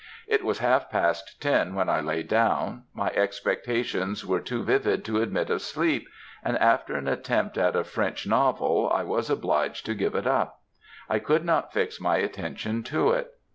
It was half past ten when I lay down; my expectations were too vivid to admit of sleep; and after an attempt at a French novel, I was obliged to give it up; I could not fix my attention to it.